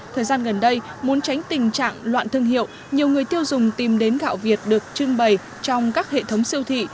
thời gian gần đây muốn tránh tình trạng loạn thương hiệu nhiều người tiêu dùng tìm đến gạo việt được trưng bày trong các hệ thống siêu thị